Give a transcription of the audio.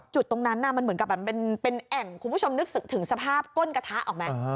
จุดตรงนั้นมันเหมือนกับแบบมันเป็นแอ่งคุณผู้ชมนึกถึงสภาพก้นกระทะออกไหม